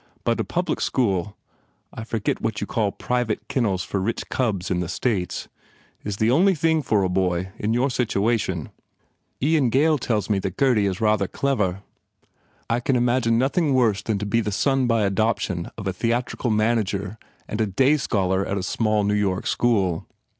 But a Public School (I forget what you call private kennels for rich cobs in tie States) is the only thing for the boy, in your situation. Ian Gail tells me that Gurdy is rather clever. I can imagine nothing worse than to be the son by adoption of a theatrical manager and a day scholar at a small New York school.